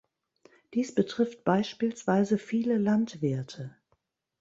Dies betrifft beispielsweise viele Landwirte.